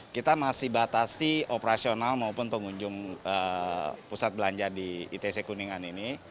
kita masih batasi operasional maupun pengunjung pusat belanja di itc kuningan ini